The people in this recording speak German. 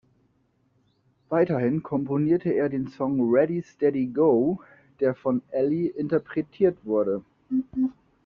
Weiterhin komponierte er den Song "Ready Steady Go", der von Elli interpretiert wurde.